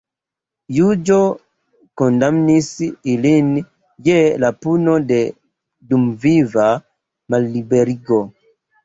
Juĝo kondamnis ilin je la puno de dumviva malliberigo.